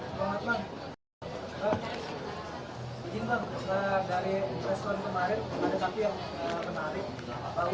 ya itu ada satu yang sayang jelas rapidement misalnya